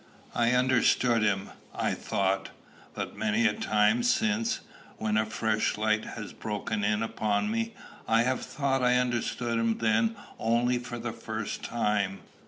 I understood him, I thought; but many a time since, when a fresh light has broken in upon me, I have thought I understood him then only for the first time.